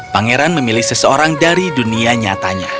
pangeran memilih seseorang dari dunia nyatanya